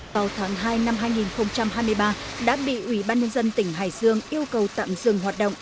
vào tháng hai năm hai nghìn hai mươi ba đã bị ủy ban nhân dân tỉnh hải dương yêu cầu tạm dừng hoạt động